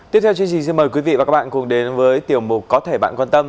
tiếp theo chương trình xin mời quý vị và các bạn cùng đến với tiểu mục có thể bạn quan tâm